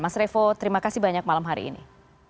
mas revo terima kasih banyak malam hari ini